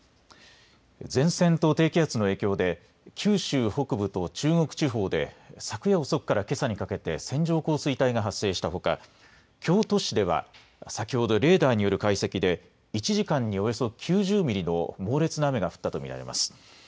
前線と低気圧の影響で九州北部と中国地方で昨夜遅くからけさにかけて線状降水帯が発生したほか京都市では先ほどレーダーによる解析で１時間におよそ９０ミリの猛烈な雨が降ったと見られます。